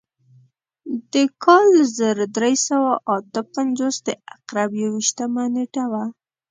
د کال زر درې سوه اته پنځوس د عقرب یو ویشتمه نېټه وه.